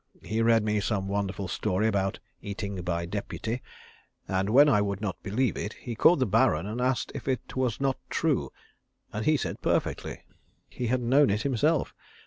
He read me some wonderful story about eating by deputy, and when I would not believe it, he called the Baron and asked if it was not true, and he said perfectly, he had known it himself.